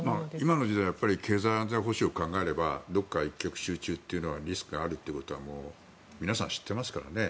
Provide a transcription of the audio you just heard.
今の時代経済安全保障を考えればどこか一極集中というのはリスクがあるというのはもう、皆さん知っていますからね。